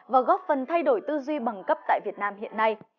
và góp phần thay đổi tư duy bằng cấp tại việt nam hiện nay